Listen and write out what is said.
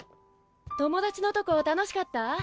友達のとこ楽しかった？